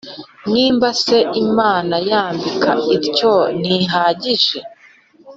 Niba se Imana yambika ityo ntibihagije